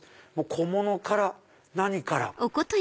小物から何から。